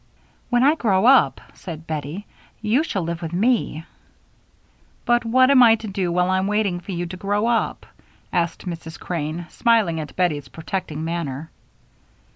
"When I grow up," said Bettie, "you shall live with me." "But what am I to do while I'm waiting for you to grow up?" asked Mrs. Crane, smiling at Bettie's protecting manner.